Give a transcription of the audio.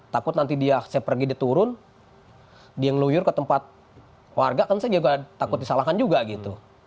takut nanti dia saya pergi dia turun dia ngeluyur ke tempat warga kan saya juga takut disalahkan juga gitu